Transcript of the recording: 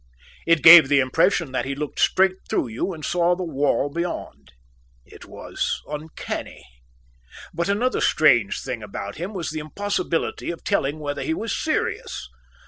It gave the impression that he looked straight through you and saw the wall beyond. It was uncanny. But another strange thing about him was the impossibility of telling whether he was serious.